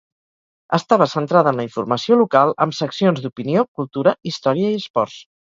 Estava centrada en la informació local amb seccions d'opinió, cultura, història i esports.